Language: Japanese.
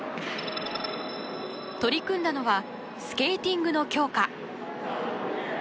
取り組んだのはスケーティングの強化。